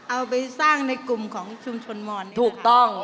เอาไปสร้างในกลุ่มของชุมชนมอนถูกต้อง